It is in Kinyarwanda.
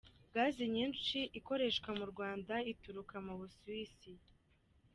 Gazi nyinshi ikoreshwa mu Rwanda ituruka mu Busuwisi.